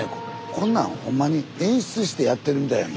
こんなんほんまに演出してやってるみたいやんか。